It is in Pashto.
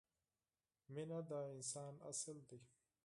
مینه د انسان اصل دی.